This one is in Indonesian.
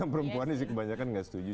yang perempuannya sih kebanyakan gak setuju